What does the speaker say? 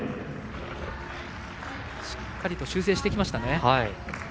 しっかりと修正してきましたね。